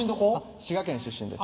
滋賀県出身です